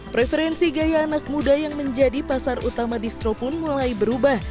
preferensi gaya anak muda yang menjadi pasar utama distro pun mulai berubah